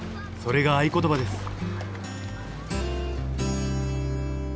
それが合言葉です。